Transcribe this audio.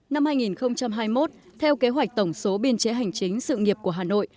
năm hai nghìn hai mươi một theo kế hoạch tổng số biên chế hành chính sự nghiệp của hà nội